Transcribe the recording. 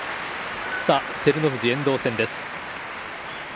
照ノ富士、遠藤戦です。